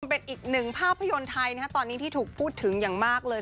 เป็นอีกหนึ่งภาพยนตร์ไทยตอนนี้ที่ถูกพูดถึงอย่างมากเลย